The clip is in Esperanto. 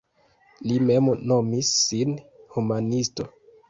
Li mem nomis sin humanisto.